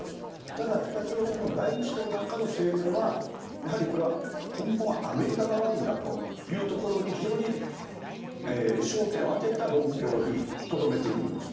ただ、北朝鮮の外務省なんかの声明はやはりこれは根本はアメリカが悪いんだというところに非常に焦点を当てた論評にとどめているんです。